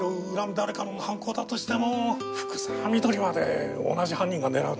誰かの犯行だとしても福沢美登里まで同じ犯人が狙うとは思えないんですが。